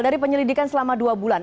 dari penyelidikan selama dua bulan